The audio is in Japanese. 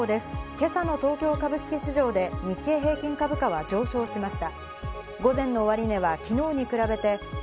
今朝の東京株式市場で日経平均株価は上昇しました。